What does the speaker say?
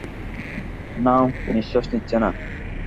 না, ও নিশ্বাস নিচ্ছে না।